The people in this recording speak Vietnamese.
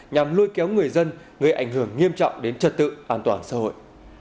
nhằm lôi kéo người dân gây ảnh hưởng nghiêm trọng đến trật tự an toàn xã hội